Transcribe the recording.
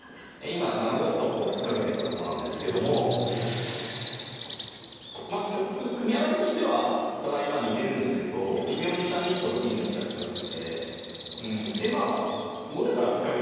今７五歩と突っかけてったとこなんですけどもまあ組み上がりとしてはお互い似てるんですけど微妙に飛車の位置とか金の位置が違っててでまあ後手から突っかけてったんですよね。